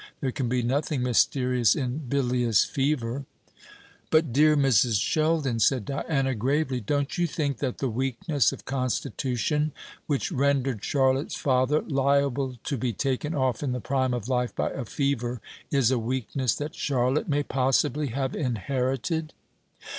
There can be nothing mysterious in bilious fever." "But, dear Mrs. Sheldon," said Diana, gravely, "don't you think that the weakness of constitution which rendered Charlotte's father liable to be taken off in the prime of life by a fever is a weakness that Charlotte may possibly have inherited?"